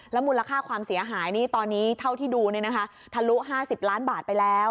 แล้วมูลค่าความเสียหายตอนนี้เท่าที่ดูนี่นะคะทะลุ๕๐ล้านบาทไปแล้ว